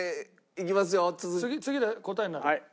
次で答えになる？